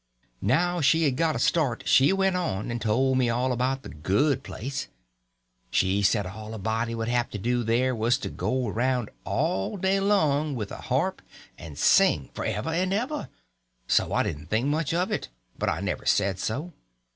Now she had got a start, and she went on and told me all about the good place. She said all a body would have to do there was to go around all day long with a harp and sing, forever and ever. So I didn't think much of it. But I never said so.